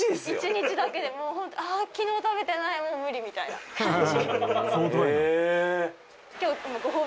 １日だけでもうホントああ昨日食べてないもう無理みたいな感じへえ